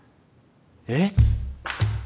えっ？